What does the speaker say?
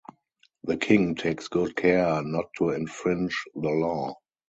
The king takes good care not to infringe the law.